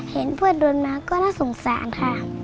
เห็นผู้อาจารย์โดนมันก็น่าสงสารค่ะ